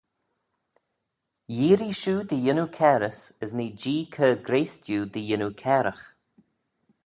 Yeearree shiu dy yannoo cairys as nee Jee chur grayse diu dy yannoo cairagh.